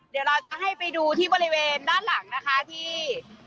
เดี๋ยวเราจะให้ไปดูที่บริเวณด้านหลังนะคะที่